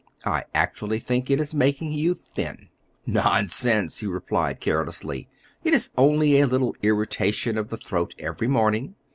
I actually think it is making you thin." "Nonsense!" he replied carelessly; "it is only a little irritation of the throat every morning.